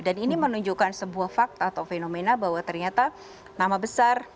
dan ini menunjukkan sebuah fakta atau fenomena bahwa ternyata nama besar